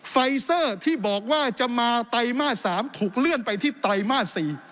ไฟเซอร์ที่บอกว่าจะมาไตรมาส๓ถูกเลื่อนไปที่ไตรมาส๔